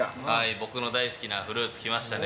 僕の大好きなフルーツきましたね。